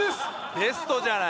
ベストじゃない。